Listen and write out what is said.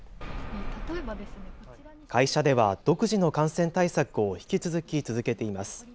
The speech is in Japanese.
会社では独自の感染対策を引き続き続けています。